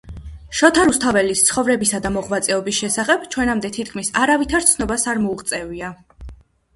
შოთა რუსთაველის ცხოვრებისა და მოღვაწეობის შესახებ ჩვენამდე თითქმის არავითარ ცნობას არ მოუღწევია